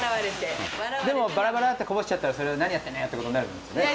でもバラバラってこぼしちゃったらそれは「何やってんのよ！」ってことになるんですよね？